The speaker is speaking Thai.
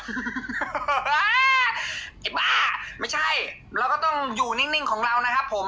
ไอ้บ้าไม่ใช่เราก็ต้องอยู่นิ่งของเรานะครับผม